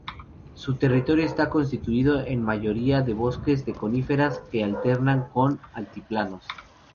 Su territorio está constituido en mayoría de bosques de coníferas que alternan con altiplanos.